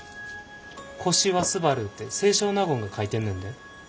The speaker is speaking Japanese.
「星はすばる」って清少納言が書いてんねんで。